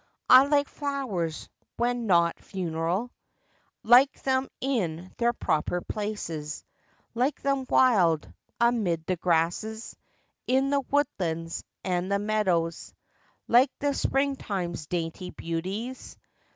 I like flowers, when not funereal; Like them in their proper places; Like them wild, amid the grasses In the woodlands and the meadows; Like the springtime's dainty beauties— FACTS AND FANCIES.